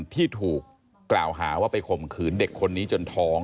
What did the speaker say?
ที่ถูกกล่าวหาว่าไปข่มขืนเด็กคนนี้จนท้อง